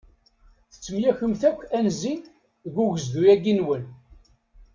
Tettemyakemt akk anzi deg ugezdu-agi-nwen.